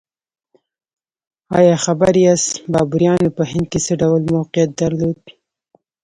ایا خبر یاست بابریانو په هند کې څه ډول موقعیت درلود؟